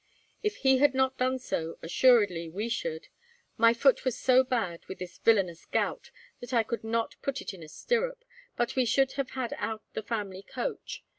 "If he had not done so, assuredly we should. My foot was so bad, with this villainous gout, that I could not put it in a stirrup, but we should have had out the family coach.